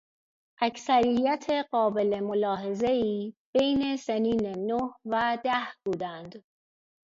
اکثریت قابل ملاحظهای بین سنین نه و ده بودند.